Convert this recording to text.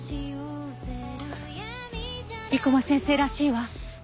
生駒先生らしいわ。